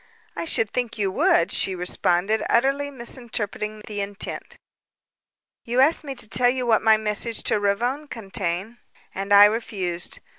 "I should think you would," she responded, utterly misinterpreting his intent. "You asked me to tell you what my message to Ravone contained and I refused.